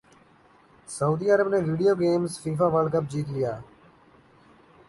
سعودی عرب نے video games FIFA World Cup جیت لیا